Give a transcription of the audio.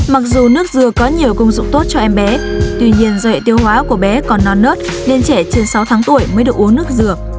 mặc dù nước dừa có nhiều công dụng tốt cho em bé tuy nhiên do hệ tiêu hóa của bé còn non nớt nên trẻ trên sáu tháng tuổi mới được uống nước dừa